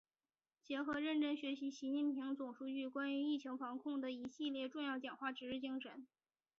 结合认真学习习近平总书记关于疫情防控的一系列重要讲话、指示精神